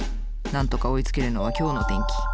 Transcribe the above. なんとか追いつけるのは「きょうの天気」。